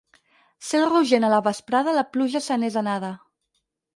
Cel rogent a la vesprada, la pluja se n'és anada.